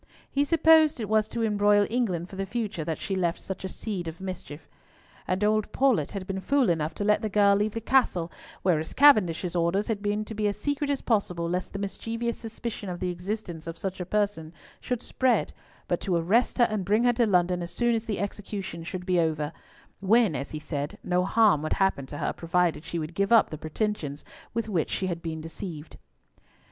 He supposed it was to embroil England for the future that she left such a seed of mischief. And old Paulett had been fool enough to let the girl leave the Castle, whereas Cavendish's orders had been to be as secret as possible lest the mischievous suspicion of the existence of such a person should spread, but to arrest her and bring her to London as soon as the execution should be over; when, as he said, no harm would happen to her provided she would give up the pretensions with which she had been deceived.